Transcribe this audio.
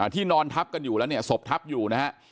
นอนทับกันอยู่แล้วเนี่ยศพทับอยู่นะฮะ